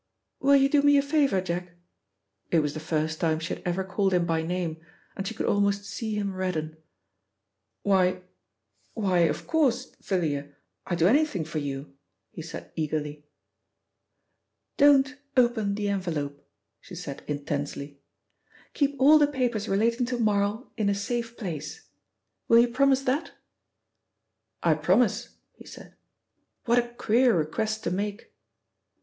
"Will you do me a favour, Jack?" It was the first time she had ever called him by name, and she could almost see him redden. "Why why, of course, Thalia, I'd do anything for you." he said eagerly. "Don't open the envelope," she said intensely. "Keep all the papers relating to Marl in a safe place. Will you promise that?" "I promise," he said. "What a queer request to make!"